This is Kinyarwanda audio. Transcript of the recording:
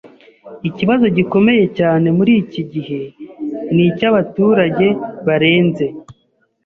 Ikibazo gikomeye cyane muri iki gihe ni icy'abaturage barenze.